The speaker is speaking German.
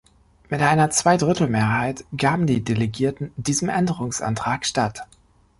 Mit einer Zweidrittelmehrheit gaben die Delegierten diesem Änderungsantrag statt.